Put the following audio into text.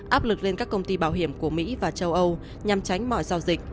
áp lực lên các công ty bảo hiểm của mỹ và châu âu nhằm tránh mọi giao dịch